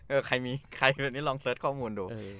เออใครมีใครมีลองเสิร์ชข้อมูลดู